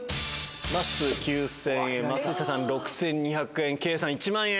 まっすー９０００円、松下さん６２００円、圭さん１万円。